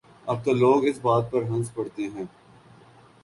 اب تو لوگ اس بات پر ہنس پڑتے ہیں۔